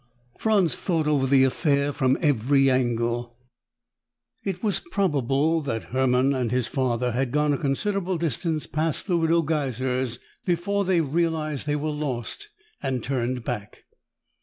Franz thought over the affair from every angle. It was probable that Hermann and his father had gone a considerable distance past the Widow Geiser's before they realized they were lost and turned back.